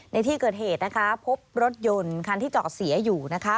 ในที่เกิดเหตุนะคะพบรถยนต์คันที่จอดเสียอยู่นะคะ